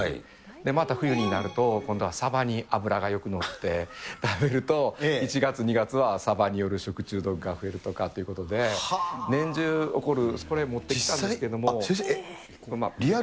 また冬になると、今度はサバに脂がよく乗って、食べると、１月、２月はサバによる食中毒が増えるとかっていうことで、年中起こる。